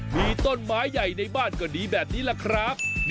มีต้นไม้ใหญ่ในบ้านก็ดีแบบนี้แหละครับ